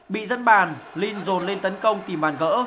bị dân bàn linh rồn lên tấn công tìm bàn gỡ